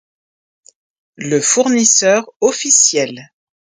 Le fournisseur officiel.